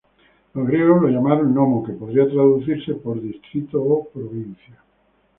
Los griegos lo llamaron nomo que podría traducirse por distrito o provincia.